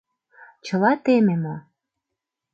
Чыла теме мо?